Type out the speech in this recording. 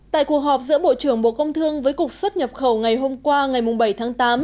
tại cuộc họp giữa bộ trưởng bộ công thương với cục xuất nhập khẩu ngày hôm qua ngày bảy tháng tám